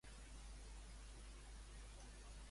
De quina manera va finalitzar el capellà el seu discurs?